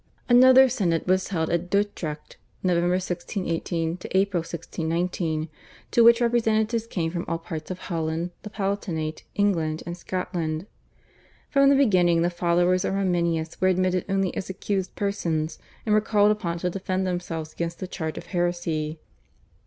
Another Synod was held at Dordrecht (Nov. 1618 April 1619) to which representatives came from all parts of Holland, the Palatinate, England, and Scotland. From the beginning the followers of Arminius were admitted only as accused persons, and were called upon to defend themselves against the charge of heresy.